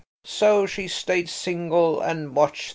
So she stayed single and watched the sea."